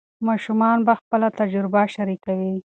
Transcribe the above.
ماشومان به خپله تجربه شریکوي.